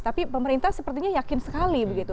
tapi pemerintah sepertinya yakin sekali begitu